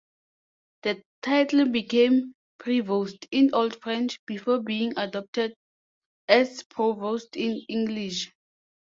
The title became "prevost" in Old French, before being adopted as "provost" in English.